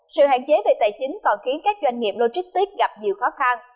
sự hạn chế về tài chính còn khiến các doanh nghiệp logistics gặp nhiều khó khăn